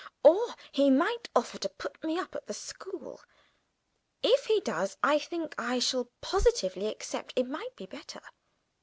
Or he might offer to put me up at the school. If he does, I think I shall very possibly accept. It might be better."